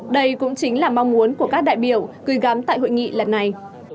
đây cũng chính là mong muốn của các đại biểu gửi gắm tại hội nghị lần này